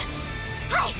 はい！